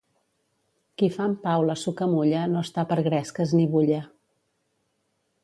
Qui fa en pau la sucamulla no està per gresques ni bulla.